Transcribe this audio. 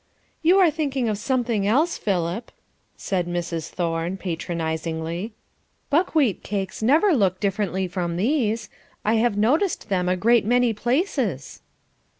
"You are thinking of something else, Philip," said Mrs. Thorne, patronisingly. "Buckwheat cakes never look differently from these; I have noticed them at a great many places."